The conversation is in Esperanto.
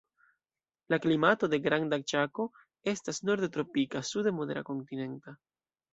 La klimato de Granda Ĉako estas norde tropika, sude modera kontinenta.